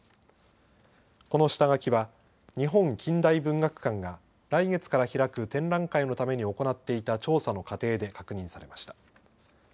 この下書きは日本近代文学館が来月から開く展覧会のために行っていた調査の過程で確認されました。